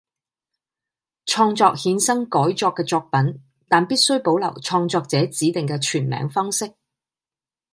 創作衍生改作嘅作品，但必須保留創作者指定嘅全名方式